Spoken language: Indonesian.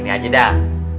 ya gini aja dah